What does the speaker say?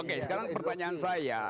oke sekarang pertanyaan saya